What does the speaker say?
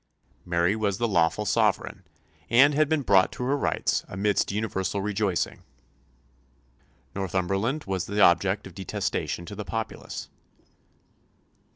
Mary was the lawful sovereign, and had been brought to her rights amidst universal rejoicing. Northumberland was an object of detestation to the populace.